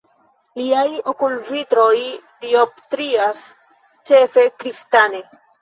Liaj okulvitroj dioptrias ĉefe kristane.